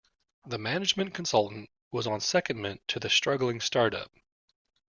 The management consultant was on secondment to the struggling start-up